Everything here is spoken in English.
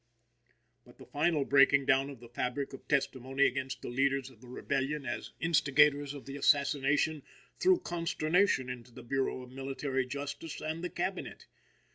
But the final breaking down of the fabric of testimony against the leaders of the rebellion, as instigators of the assassination, threw consternation into the Bureau of Military Justice and the Cabinet.